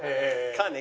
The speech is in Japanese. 「か」ね。